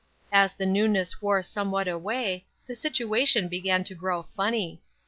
As the newness wore somewhat away, the situation began to grow funny.